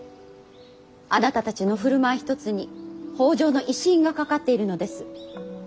あなたたちの振る舞い一つに北条の威信がかかっているのです。